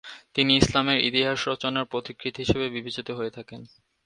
তিনি ইসলামের ইতিহাস রচনার পথিকৃৎ হিসেবে বিবেচিত হয়ে থাকেন।